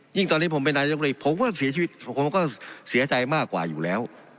ตอนนี้ผมเป็นนายกรีผมก็เสียชีวิตผมก็เสียใจมากกว่าอยู่แล้ว